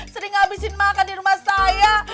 sering habisin makan di rumah saya